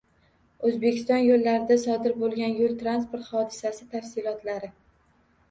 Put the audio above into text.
O‘zbekiston yo‘llarida sodir bo‘lgan yo´l transport hodisasi tafsilotlari